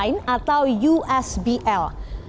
ini adalah alat pendeteksi sinar